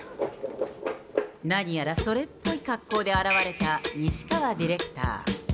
何やらそれっぽい格好で現れた西川ディレクター。